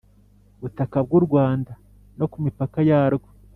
butaka bw u Rwanda no ku mipaka yarwo